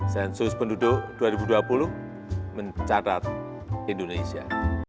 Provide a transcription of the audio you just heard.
sensus penduduk dua ribu dua puluh mencatat indonesia